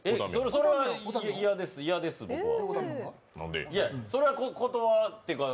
それは嫌です、僕は。